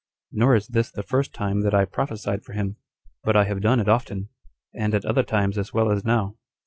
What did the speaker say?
Nor is this the first time that I prophesied for him, but I have done it often, and at other times as well as now.